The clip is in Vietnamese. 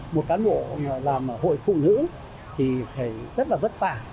một cán bộ làm hội phụ nữ thì phải rất là vất vả